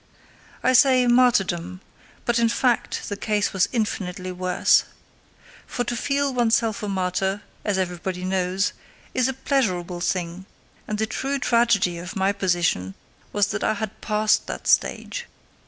I say "martyrdom", but in fact the case was infinitely worse. For to feel oneself a martyr, as everybody knows, is a pleasurable thing, and the true tragedy of my position was that I had passed that stage.